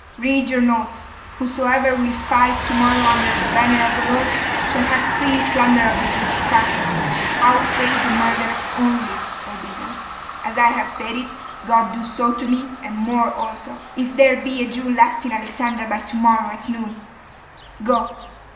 'Read your notes. Whosoever will fight to morrow under the banner of the Lord, shall have free plunder of the Jews' quarter, outrage and murder only forbidden. As I have said it, God do so to me, and more also, if there be a Jew left in Alexandria by to morrow at noon. Go.